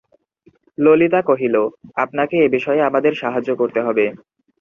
ললিতা কহিল, আপনাকে এ বিষয়ে আমাদের সাহায্য করতে হবে।